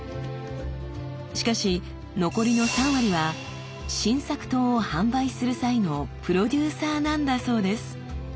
しかし残りの３割は新作刀を販売する際のプロデューサーなんだそうです。